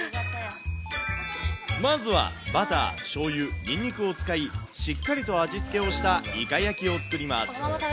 まずは、バター、しょうゆ、ニンニクを使い、しっかりと味付けをしたイカ焼きを作ります。